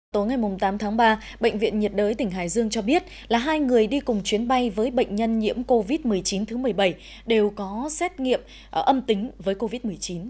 tối ngày tám tháng ba bệnh viện nhiệt đới tỉnh hải dương cho biết là hai người đi cùng chuyến bay với bệnh nhân nhiễm covid một mươi chín thứ một mươi bảy đều có xét nghiệm âm tính với covid một mươi chín